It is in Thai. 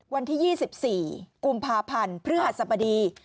วันที่๒๔กุมภาพันธ์พฤหัสบดี